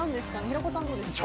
平子さん、どうですか？